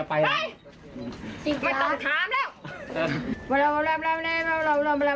พระต่ายสวดมนต์